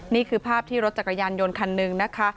นี่คือภาพที่รถจักรยานยนต์คันหนึ่งนะคะ